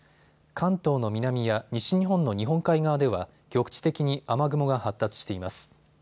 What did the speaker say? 関東の南や西日本の日本海側では局地的に雨雲が発達しています。